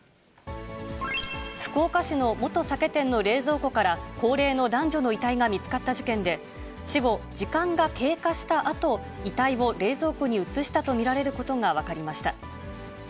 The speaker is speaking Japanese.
福岡市の元酒店の冷蔵庫から、高齢の男女の遺体が見つかった事件で、死後、時間が経過したあと、遺体を冷蔵庫に移したと見られることが分かりました。